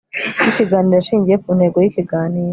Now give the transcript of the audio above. y ikiganiro ashingiye ku ntego y ikiganiro